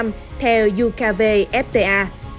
mức thuế ưu đải theo ukvfta